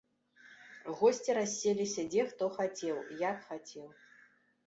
Госці расселіся дзе хто хацеў, як хацеў.